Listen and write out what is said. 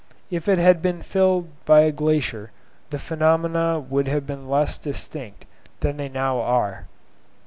If it had still been filled by a glacier, the phenomena would have been less distinct than they now are.